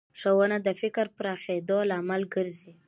ښوونه د فکر پراخېدو لامل ګرځي